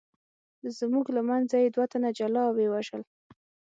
زموږ له منځه یې دوه تنه جلا او ویې وژل.